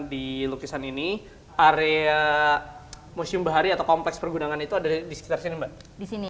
di lukisan ini area museum bahari atau kompleks pergudangan itu ada di sekitar sini mbak di sini